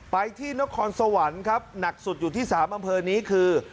ไปที่นครสวรรค์ครับหนักสุดอยู่ที่๓อำเภอนี้คือ